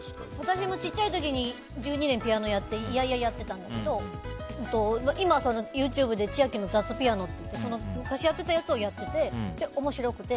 私も小さい時に１２年ピアノやってて嫌々やってたんだけど今、ＹｏｕＴｕｂｅで千秋の雑ピアノって昔やってたやつをやってて面白くて。